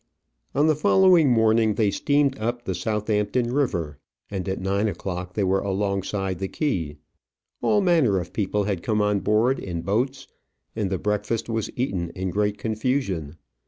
On the following morning they steamed up the Southampton river, and at nine o'clock they were alongside the quay. All manner of people had come on board in boats, and the breakfast was eaten in great confusion.